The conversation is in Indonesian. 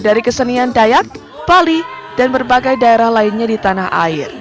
dari kesenian dayak bali dan berbagai daerah lainnya di tanah air